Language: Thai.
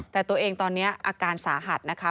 แต่ตัวเองตอนนี้อาการสาหัสนะคะ